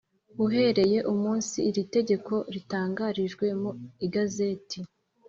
Uhereye umunsi iri tegeko ritangarijwe mu igazeti